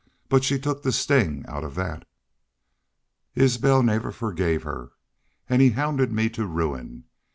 But she took the sting out of that. "Isbel never forgave her an' he hounded me to ruin.